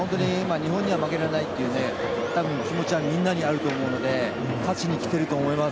日本には負けられないというねたぶん気持ちはみんなにあると思うので勝ちにきていると思います。